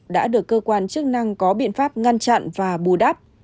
đã được cơ quan chức năng có biện pháp ngăn chặn và bù đắp